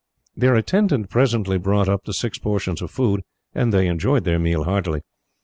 Their attendant presently brought up the six portions of food, and they enjoyed their meal heartily.